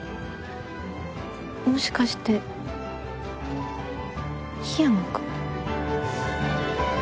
もしかして緋山君？